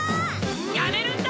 やめるんだ！